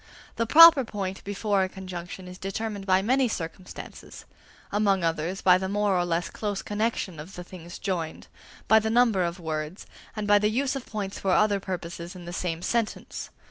The proper point before a conjunction is determined by many circumstances: among others, by the more or less close connexion of the things joined, by the number of words, and by the use of points for other purposes in the same sentence.